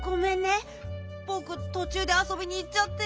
ぼくとちゅうであそびにいっちゃって。